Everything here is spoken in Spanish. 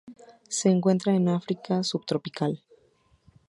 Se encuentra en África subtropical.